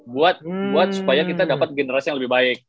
buat supaya kita dapat generasi yang lebih baik